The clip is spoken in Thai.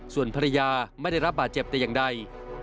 ส่วนภรรยาไม่ได้รับบาดเจ็บแต่อย่างใด